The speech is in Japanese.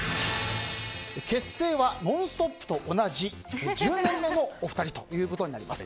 結成は「ノンストップ！」と同じ１０年目のお二人ということになります。